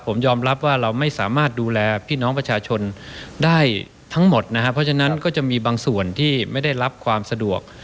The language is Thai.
ผมยอมรับว่าเราไม่สามารถดูแลพี่น้องประชาชนได้ทั้งหมดนะครับเพราะฉะนั้นก็จะมีบางส่วนที่ไม่ได้รับความสะดวก